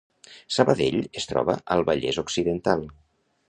Sabadell es troba al Vallès Occidental